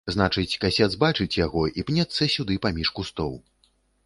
Значыць, касец бачыць яго і пнецца сюды паміж кустоў.